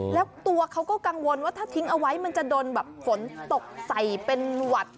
แล้วตัวเขาก็กังวลว่าถ้าทิ้งเอาไว้มันจะโดนแบบฝนตกใส่เป็นหวัด